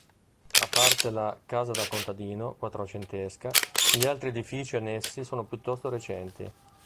A parte la "casa da contadino" quattrocentesca, gli altri edifici annessi sono piuttosto recenti.